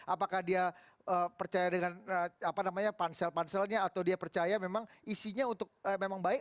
apakah dia percaya dengan pansel panselnya atau dia percaya memang isinya untuk memang baik